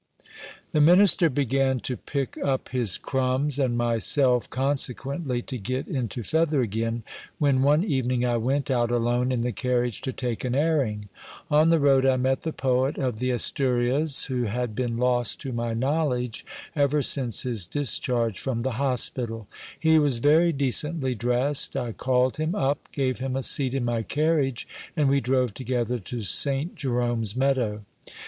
The minister began to pick up his crumbs, and myself consequently to get into feather again, when one evening I went out alone in the carriage to take an airing. On the road I met the poet of the Asturias, who had been lost to my knowledge ever since his discharge from the hospital. He was very de cently dressed. I called him up, gave him a seat in my carriage, and we drove together to Saint Jerome's meadow.